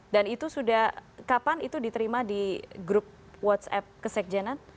dan itu sudah kapan itu diterima di grup whatsapp kesekjenan